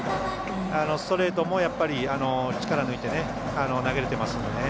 ストレートも力抜いて投げれてますので。